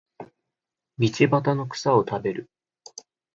道端の草を食べる